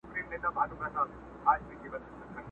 څوک وايي نر دی څوک وايي ښځه،